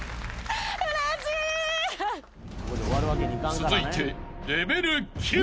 ［続いて］